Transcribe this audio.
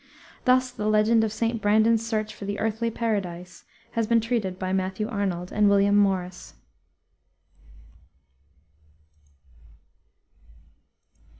Thus the legend of St. Brandan's search for the earthly paradise has been treated by Matthew Arnold and William Morris.